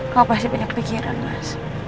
kau pasti banyak pikiran mas